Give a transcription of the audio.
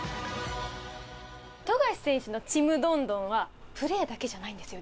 富樫選手のちむどんどんはプレーだけじゃないんですよ